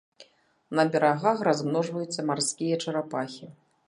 На берагах размножваюцца марскія чарапахі.